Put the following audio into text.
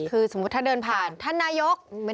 คือสมมุติท่านเดินผ่านท่านนายกไม่ได้